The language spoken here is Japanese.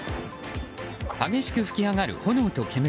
激しく噴き上がる炎と煙。